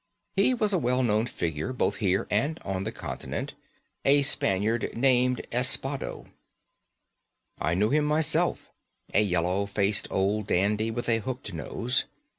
He was a well known figure both here and on the Continent, a Spaniard named Espado; I knew him myself, a yellow faced old dandy, with a hooked nose.